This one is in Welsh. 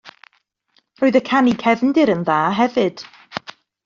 Roedd y canu cefndir yn dda hefyd.